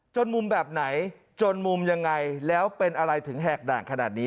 มุมแบบไหนจนมุมยังไงแล้วเป็นอะไรถึงแหกด่านขนาดนี้